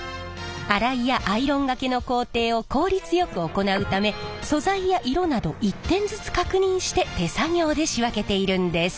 洗いやアイロンがけの工程を効率よく行うため素材や色など１点ずつ確認して手作業で仕分けているんです。